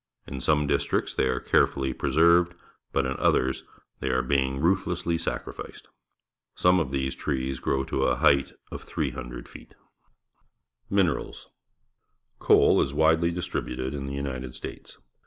In some districts they are carefully preserved, but in others they are being ruthlessly sacrificed. Some of these trees grow to a height of 300 feet. Minerals. — Coal is wadely distributed in the L'nited States.